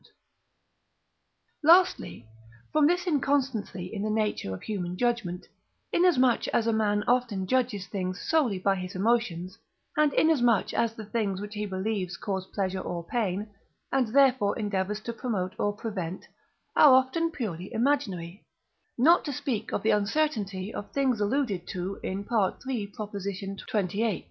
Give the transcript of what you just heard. note. Lastly, from this inconstancy in the nature of human judgment, inasmuch as a man often judges things solely by his emotions, and inasmuch as the things which he believes cause pleasure or pain, and therefore endeavours to promote or prevent, are often purely imaginary, not to speak of the uncertainty of things alluded to in III. xxviii.